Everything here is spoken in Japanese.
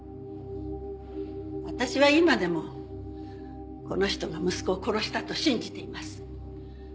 私は今でもこの人が息子を殺したと信じています。